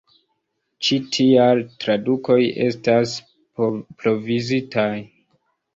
Ĉi tial, tradukoj estas provizitaj.